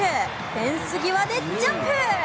フェンス際でジャンプ！